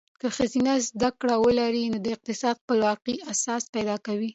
که ښځه زده کړه ولري، نو د اقتصادي خپلواکۍ احساس پیدا کوي.